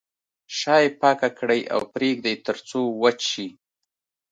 شا یې پاکه کړئ او پرېږدئ تر څو وچ شي.